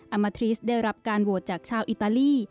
มาทริสได้รับการโหวตจากชาวอิตาลี